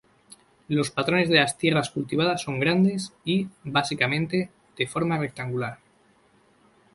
Los patrones de las tierras cultivadas son grandes y, básicamente, de forma rectangular.